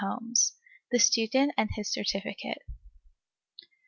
CHAPTER II. THE STUDENT AND HIS CERTIFICATE.